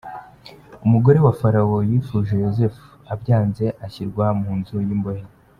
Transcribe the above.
Umugore wa Farawo yifuje Yozefu, abyanze ashyirwa mu nzu y’imbohe.